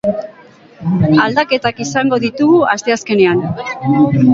Aldaketak izango ditugu asteazkenean.